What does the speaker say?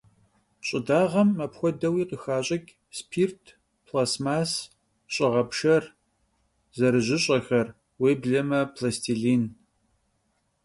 Ş'ıdağem apxuedeui khıxaş'ıç' spirt, plastmass, ş'ığepşşer, zerıjış'exer, vuêbleme, plastilin.